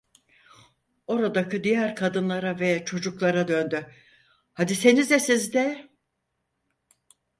Oradaki diğer kadınlara ve çocuklara döndü: "Hadisenize siz de!".